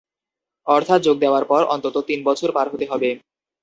অর্থাৎ যোগ দেওয়ার পর অন্তত তিন বছর পার হতে হবে।